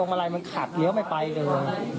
มันขัดเหลี้ยวไม่ไปเลย